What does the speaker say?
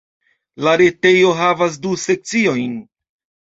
La retejo havas du sekciojn.